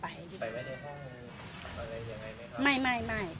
ไปไว้ในห้องอะไรยังไงไหมครับไม่ไม่ไม่